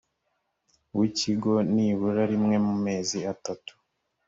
w ikigo nibura rimwe mu mezi atatu